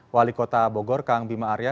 wali kota bogor kang bima arya